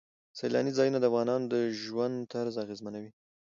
سیلاني ځایونه د افغانانو د ژوند طرز اغېزمنوي.